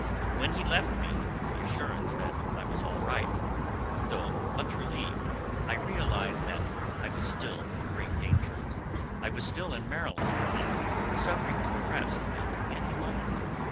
When he left me with the assurance that I was all right, though much relieved, I realized that I was still in great danger: I was still in Maryland, and subject to arrest at any moment.